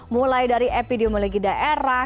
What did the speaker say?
mulai dari epidemiologi daerah